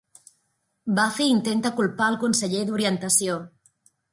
Buffy intenta culpar al conseller d'orientació.